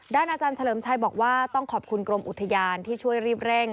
อาจารย์เฉลิมชัยบอกว่าต้องขอบคุณกรมอุทยานที่ช่วยรีบเร่ง